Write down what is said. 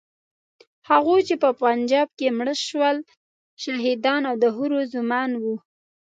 هغوی چې په پنجابۍ کې مړه شول، شهیدان او د حورو زومان وو.